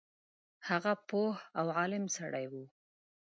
هغه پوه او عالم سړی وو.